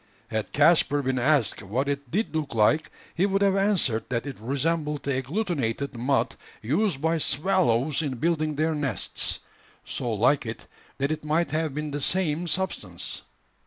Had Caspar been asked what it did look like, he would have answered that it resembled the agglutinated mud used by swallows in building their nests so like it, that it might have been the same substance.